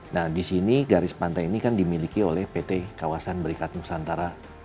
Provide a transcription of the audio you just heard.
nah disini garis pantai ini kan dimiliki oleh pt kawasan berikan nusantara